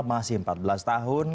masih empat belas tahun